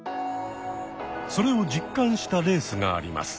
それを実感したレースがあります。